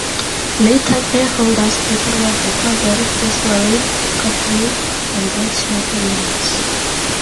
Later fairholders included the Coggan, Fitz Warine, Courtney and Bourchier families.